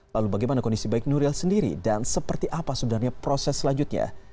lalu bagaimana kondisi baik nuril sendiri dan seperti apa sebenarnya proses selanjutnya